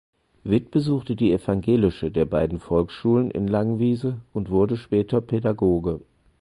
Vitt besuchte die evangelische der beiden Volksschulen in Langewiese und wurde später Pädagoge.